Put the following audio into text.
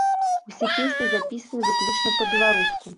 Усе песні запісаны выключна па-беларуску.